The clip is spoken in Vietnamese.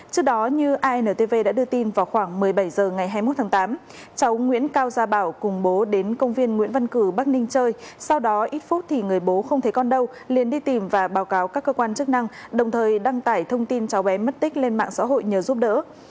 trước đó như intv đã đưa tin vào khoảng một mươi bảy h ngày hai mươi một tháng tám cháu nguyễn cao gia bảo cùng bố đến công viên nguyễn văn cử bắc ninh chơi sau đó ít phút thì người bố không thấy con đâu liền đi tìm và báo cáo các cơ quan chức năng đồng thời đăng tải thông tin cháu bé mất tích lên mạng xã hội nhờ giúp đỡ